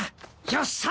よっしゃ！